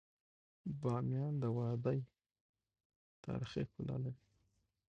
د بامیان وادی تاریخي ښکلا لري.